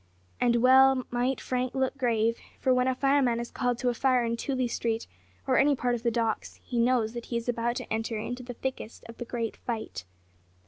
And well might Frank look grave, for when a fireman is called to a fire in Tooley Street, or any part of the docks, he knows that he is about to enter into the thickest of the Great Fight.